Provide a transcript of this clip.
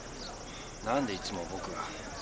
何でいつも僕が。